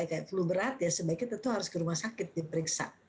kayak flu berat ya sebaiknya tentu harus ke rumah sakit diperiksa